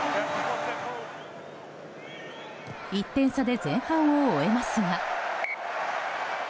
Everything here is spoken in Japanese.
１点差で前半を終えますが。